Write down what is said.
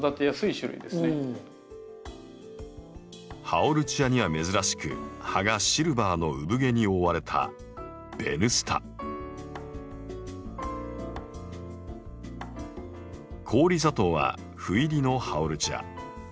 ハオルチアには珍しく葉がシルバーのうぶ毛に覆われた氷砂糖は斑入りのハオルチア。